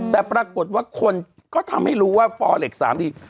แต่ปรากฏว่าคนก็ทำให้รู้ว่าฟอร์เหล็กสามดี